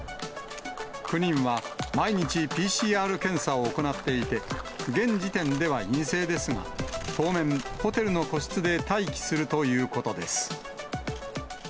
９人は毎日ＰＣＲ検査を行っていて、現時点では陰性ですが、当面、ホテルの個室で待機するということです。